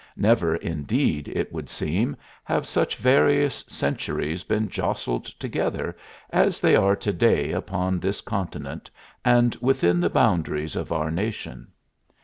Never, indeed, it would seem, have such various centuries been jostled together as they are to day upon this continent, and within the boundaries of our nation.